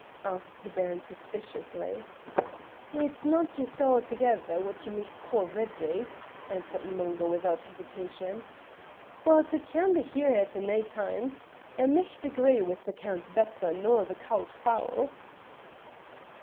asked the Baron suspiciously. "It's no jist a'thegether what ye micht ca' ready," answered Mungo without hesitation; "but it can be here het in nae time, and micht agree wi' the Count better nor the cauld fowl."